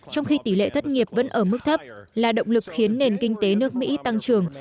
trong khi tỷ lệ thất nghiệp vẫn ở mức thấp là động lực khiến nền kinh tế nước mỹ tăng trưởng